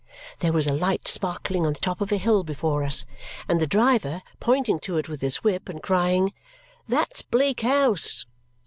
There was a light sparkling on the top of a hill before us, and the driver, pointing to it with his whip and crying, "That's Bleak House!"